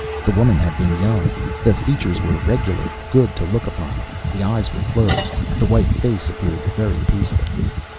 The woman had been young. The features were regular, good to look upon. The eyes were closed; the white face appeared very peaceful.